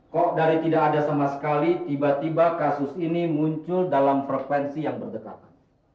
kok dari tidak ada sama sekali tiba tiba kasus ini muncul dalam frekuensi yang berdekatan